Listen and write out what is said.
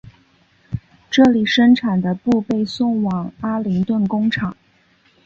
这里生产的布被送往阿灵顿工厂。